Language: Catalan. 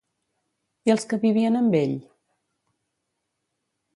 I els que vivien amb ell?